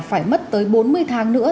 phải mất tới bốn mươi tháng nữa